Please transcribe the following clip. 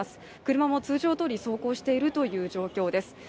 車も通常どおり走行しているという状況です。